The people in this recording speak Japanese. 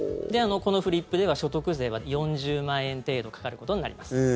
このフリップでは所得税は４０万円程度かかることになります。